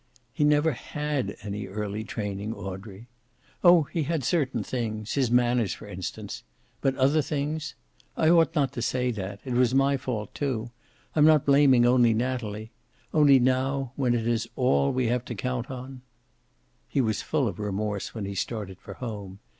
"He never had any early training, Audrey. Oh, he had certain things. His manners, for instance. But other things? I ought not to say that. It was my fault, too. I'm not blaming only Natalie. Only now, when it is all we have to count on " He was full of remorse when he started for home.